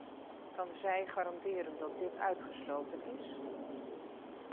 Kan zij garanderen dat dit uitgesloten is?